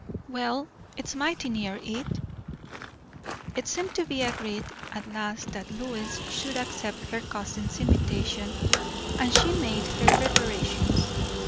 "Well, it's mighty near it." It seemed to be agreed at last that Lois should accept her cousin's invitation; and she made her preparations.